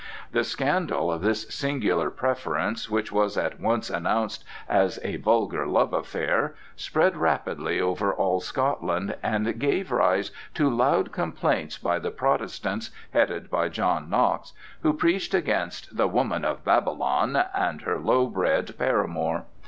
The scandal of this singular preference, which was at once announced as a vulgar love affair, spread rapidly over all Scotland, and gave rise to loud complaints by the Protestants, headed by John Knox, who preached against the "woman of Babylon" and her low bred paramour.